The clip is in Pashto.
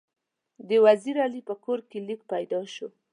د وزیر علي په کور کې لیک پیدا شو.